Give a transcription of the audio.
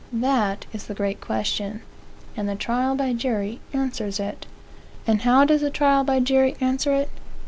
That is the great question. And the trial by jury answers it. And how does the trial by jury answer it?